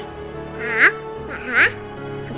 pak pak ah